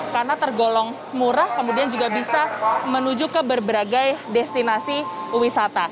karena tergolong murah kemudian juga bisa menuju ke berbagai destinasi wisata